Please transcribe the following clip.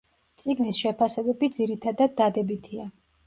წიგნის შეფასებები ძირითადად დადებითია.